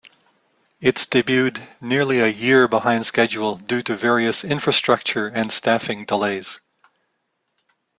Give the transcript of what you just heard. Its debuted nearly a year behind schedule due to various infrastructure and staffing delays.